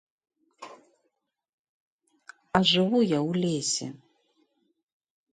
А жыву я ў лесе.